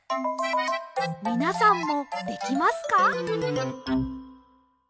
みなさんもできますか？